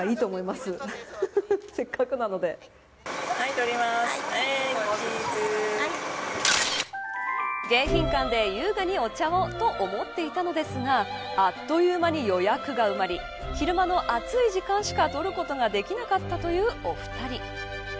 撮りま迎賓館で優雅にお茶をと思っていたのですがあっという間に予約が埋まり昼間の暑い時間しか取ることができなかったというお二人。